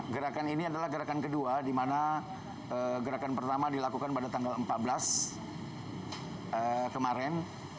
gerakan ini adalah gerakan kedua di mana gerakan pertama dilakukan pada tanggal empat belas kemarin